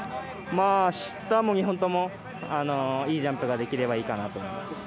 あしたも２本ともいいジャンプができればいいかなと思います。